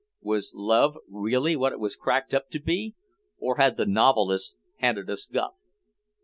Was love really what it was cracked up to be, or had the novelists handed us guff?